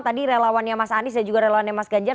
tadi relawannya mas anies dan juga relawannya mas ganjar